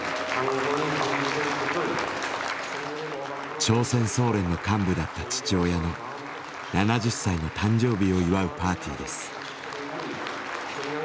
朝鮮総連の幹部だった父親の７０歳の誕生日を祝うパーティーです。